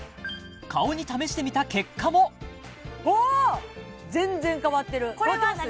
顔に試してみた結果もあっ全然変わってる変わってます？